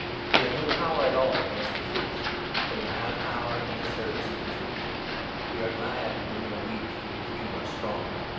We have no power at all 8 against the Truth, but we have power in the service of the Truth. We are glad when we are weak, if you are strong.